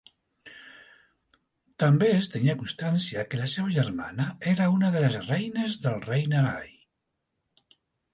També es tenia constància que la seva germana era una de les reines del rei Narai.